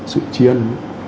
sự tri ân